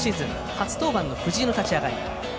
初登板の藤井の立ち上がり。